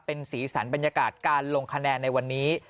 เป็นสีสันบรรยากาศการลงคะแนนในวันนี้